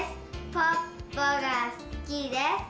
ポッポがすきです。